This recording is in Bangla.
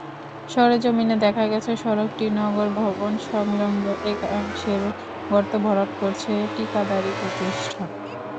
সরেজমিনে দেখা গেছে, সড়কটির নগর ভবনসংলগ্ন একাংশের গর্ত ভরাট করছে টিকাদারি প্রতিষ্ঠান।